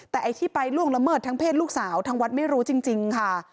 แต่ไอ้ที่ไปล่วงละเมิดทางเพศลูกสาวทางวัดไม่รู้จริงค่ะ